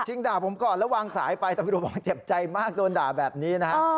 ด่าผมก่อนแล้ววางสายไปตำรวจบอกเจ็บใจมากโดนด่าแบบนี้นะฮะ